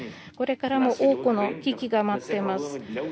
これからも多くの危機が待っています。